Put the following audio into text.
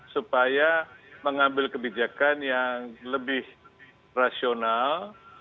supaya mengambil kebijakan yang lebih rasional